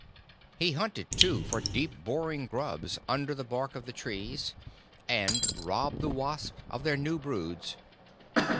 He hunted, too, for deep boring grubs under the bark of the trees, and robbed the wasps of their new broods.